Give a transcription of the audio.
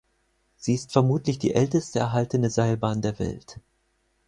Sie ist vermutlich die älteste erhaltene Seilbahn der Welt.